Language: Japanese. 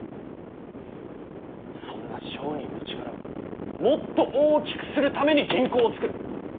そんな商人の力をもっと大きくするために銀行を作る。